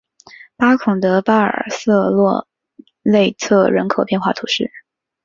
福孔德巴尔瑟洛内特人口变化图示